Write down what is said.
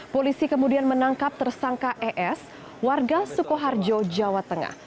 polisi kemudian menangkap tersangka es warga sukoharjo jawa tengah